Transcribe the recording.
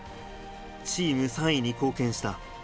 チーム３位に貢献した。